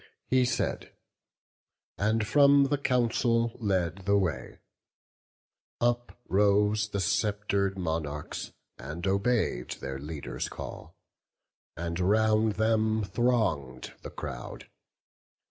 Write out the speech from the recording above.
He said, and from the council led the way. Uprose the sceptred monarchs, and obey'd Their leader's call, and round them throng'd the crowd.